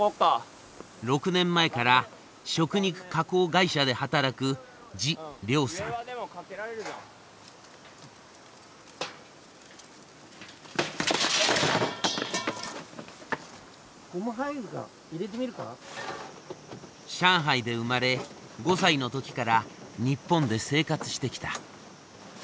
６年前から食肉加工会社で働く上海で生まれ５歳の時から日本で生活してきた。